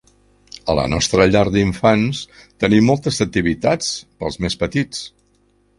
A la nostra llar d'infants tenim moltes activitats pels més petits.